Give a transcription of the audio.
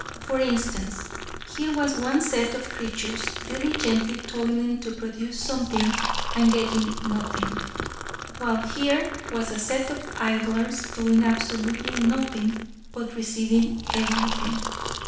For instance, here was one set of creatures diligently toiling to produce something and getting nothing, while here was a set of idlers doing absolutely nothing but receiving everything.